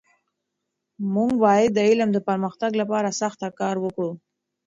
موږ باید د علم د پرمختګ لپاره سخته کار وکړو.